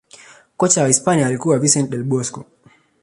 kocha wa hisipania alikuwa vincent del bosque